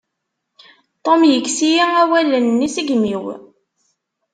Tom yekkes-iyi awalen-nni seg imi-w.